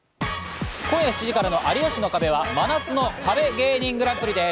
今夜７時からの『有吉の壁』は真夏の壁芸人グランプリです。